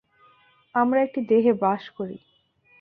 আমরা একটি দেহে বাস করি।